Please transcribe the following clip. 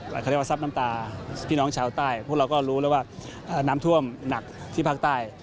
เขาเรียกว่าซับน้ำตาพี่น้องชาวใต้พวกเราก็รู้แล้วว่าน้ำท่วมหนักที่ภาคใต้